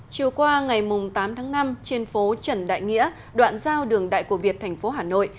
chiều qua ngày tám tháng năm trên phố trần đại nghĩa đoạn giao đường đại cổ việt thành phố hà nội